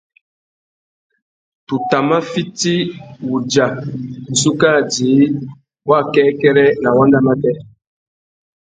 Tu tà mà fiti wudja wissú kā djï wakêkêrê nà wanda matê.